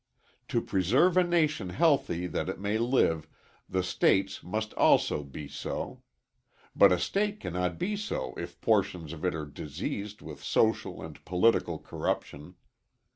To preserve a nation healthy that it may live, the States must also be so. But a State cannot be so if portions of it are diseased with social and political corruption.